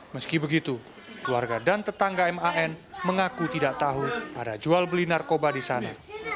meski begitu keluarga dan tetangga man mengaku tidak tahu ada jual beli narkoba di sana